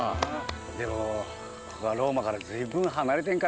でもここはローマから随分離れてんからなあ。